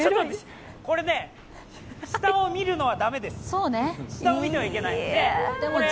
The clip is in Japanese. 下を見るのは駄目です、下を見てはいけない。